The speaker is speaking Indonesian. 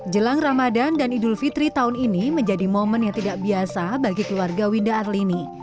jelang ramadan dan idul fitri tahun ini menjadi momen yang tidak biasa bagi keluarga winda arlini